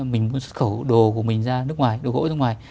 mình muốn xuất khẩu đồ của mình ra nước ngoài đồ gỗ ở nước ngoài